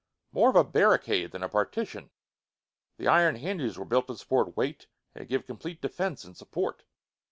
More of a barricade than a partition. The iron hinges were built to support weight and give complete defense and support.